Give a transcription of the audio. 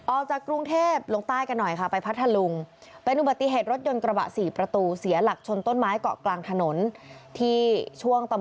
ออกจากกรุงเทพลงใต้กันหน่อยค่ะไปพัทธลุง